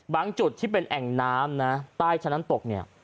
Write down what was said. บางจุดที่เป็นแอ่งน้ำใต้ชั้นน้ำตกเนี่ย